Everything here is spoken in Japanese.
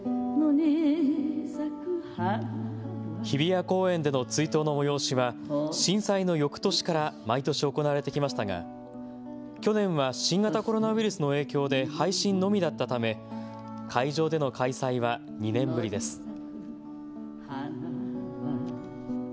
日比谷公園での追悼の催しは震災のよくとしから毎年、行われてきましたが去年は新型コロナウイルスの影響で配信のみだったため会場での開催は２年ぶりです。